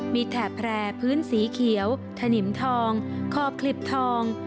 มีแถบแพร่พื้นสีเขียวถนิมทองขอบคลิบทอง